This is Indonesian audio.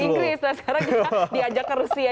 inggris nah sekarang kita diajak ke rusia